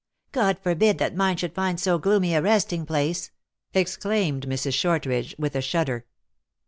" God forbid that mine should find so gloomy a resting place," exclaimed Mrs. Shortridge, with a shudder.